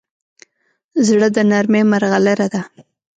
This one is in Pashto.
زړه د نرمۍ مرغلره ده.